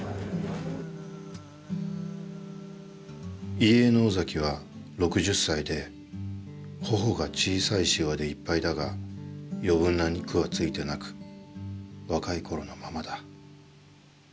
「遺影の尾崎は六十歳で頬が小さいシワでいっぱいだが余分な肉はついてなく若い頃のままだ。